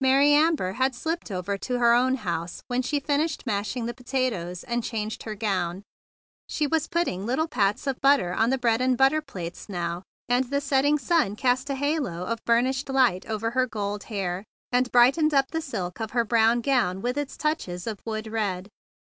Mary Amber had slipped over to her THE BIG BLUE SOLDIER 15 own house when she finished mashing the potatoes, and changed her gown. She was putting little squares of but¬ ter on the bread and butter plates now, and the setting sun cast a halo of bur¬ nished light over her gold hair, and brightened up the silk of her brown gown with its touches of wood red.